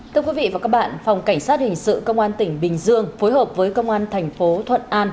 thưa quý vị và các bạn phòng cảnh sát hình sự công an tỉnh bình dương phối hợp với công an thành phố thuận an